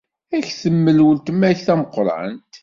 Ad k-temmel weltma-k tameqqṛant.